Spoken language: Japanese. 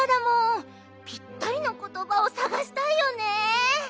ぴったりのことばをさがしたいよね。